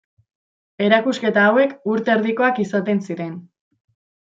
Erakusketa hauek urte erdikoak izaten ziren.